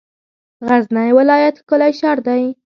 غزنی ولایت ښکلی شار دی.